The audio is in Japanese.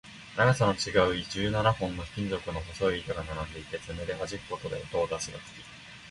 長さの違う十七本の金属の細い板が並んでいて、爪ではじくことで音を出す楽器